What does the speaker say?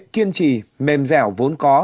kiên trì mềm dẻo vốn có